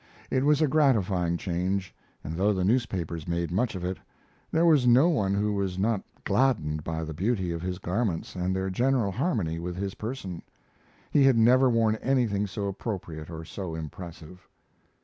It was a gratifying change, and though the newspapers made much of it, there was no one who was not gladdened by the beauty of his garments and their general harmony with his person. He had never worn anything so appropriate or so impressive.